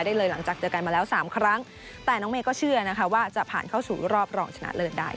ได้เลยหลังจากเจอกันมาแล้วสามครั้งแต่น้องเมย์ก็เชื่อนะคะว่าจะผ่านเข้าสู่รอบรองชนะเลิศได้